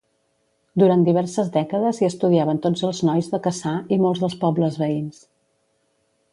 Durant diverses dècades hi estudiaven tots els nois de Cassà i molts dels pobles veïns.